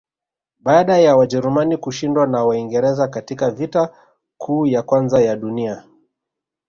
Baada ya Wajerumani kushindwa na Waingereza katika Vita Kuu ya Kwanza ya dunia